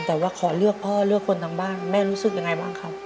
แต่ว่าขอเลือกพ่อเลือกคนทางบ้านแม่รู้สึกยังไงบ้างครับ